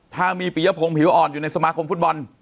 ถ้ามีปียพงศ์ผิวอ่อนอยู่ในสมาคมฟุตบอล